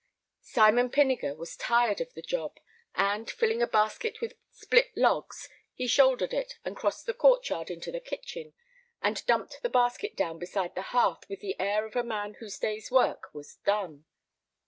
Simon Pinniger was tired of the job, and, filling a basket with split logs, he shouldered it and crossed the court yard into the kitchen, and dumped the basket down beside the hearth with the air of a man whose day's work was done.